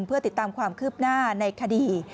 เพื่อติดตามความคืบหน้าในคดี